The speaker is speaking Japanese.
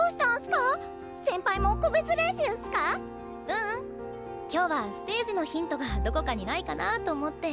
ううん。今日はステージのヒントがどこかにないかなあと思って。